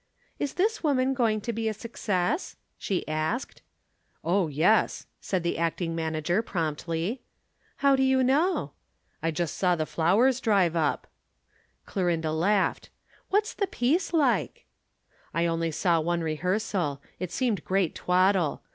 "Is this woman going to be a success?" she asked. "Oh, yes," said the acting manager promptly. "How do you know?" "I just saw the flowers drive up." [Illustration: "I just saw the flowers drive up."] Clorinda laughed. "What's the piece like?" "I only saw one rehearsal. It seemed great twaddle.